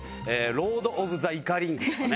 「ロード・オブ・ザ・イカリング」とかね。